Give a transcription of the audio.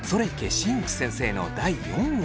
新内先生」の第４話。